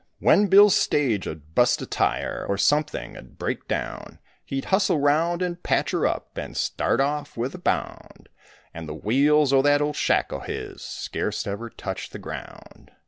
When Bill's stage 'u'd bust a tire, Or something 'u'd break down, He'd hustle round and patch her up And start off with a bound; And the wheels o' that old shack o' his Scarce ever touched the ground.